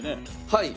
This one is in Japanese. はい。